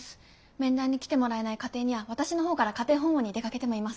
面談に来てもらえない家庭には私の方から家庭訪問にも出かけてもいます。